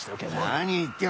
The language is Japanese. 何言ってやがる！